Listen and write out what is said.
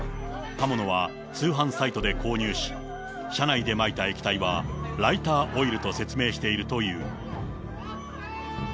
刃物は通販サイトで購入し、車内でまいた液体はライターオイルと説明しているという。